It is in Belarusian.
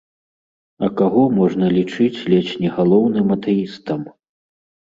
А каго можна лічыць ледзь не галоўным атэістам?